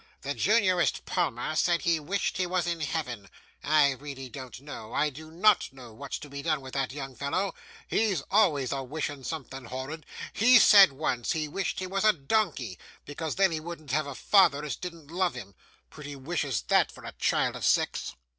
"The juniorest Palmer said he wished he was in Heaven." I really don't know, I do NOT know what's to be done with that young fellow; he's always a wishing something horrid. He said once, he wished he was a donkey, because then he wouldn't have a father as didn't love him! Pretty wicious that for a child of six!